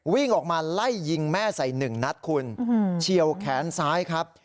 วิ่งออกมาไล่ยิงแม่ใส่หนึ่งนัดคุณเฉียวแขนซ้ายครับ